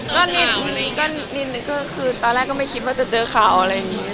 ตอนนี้ก็คือตอนแรกก็ไม่คิดว่าจะเจอเขาอะไรอย่างนี้